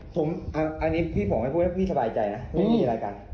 ผมอันนี้พี่พอไม่พูดแล้วพี่สบายใจนะไม่มีอะไรกัน